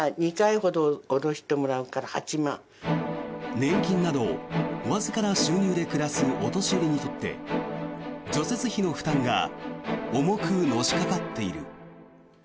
年金などわずかな収入で暮らすお年寄りにとって除雪費の負担が重くのしかかっている。